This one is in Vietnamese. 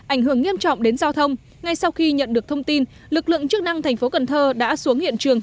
ảnh hưởng nghiêm trọng đến giao thông ngay sau khi nhận được thông tin lực lượng chức năng thành phố cần thơ đã xuống hiện trường